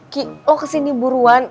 ki lo kesini buruan